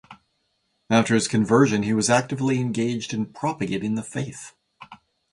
After his conversion, he was actively engaged in propagating the faith.